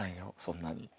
そんなに。